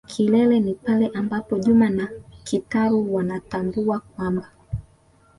kilele ni pale ambapo Juma na Kitaru wanatambua kwamba.